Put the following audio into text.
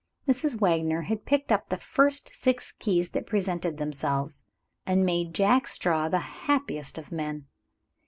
Mrs. Wagner had picked up the first six keys that presented themselves, and had made Jack Straw the happiest of men.